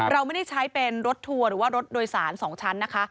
เราไม่ได้ใช้เป็นรถทัวร์หรือว่ารถโดยสาร๒ชั้นนะคะ